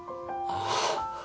ああ。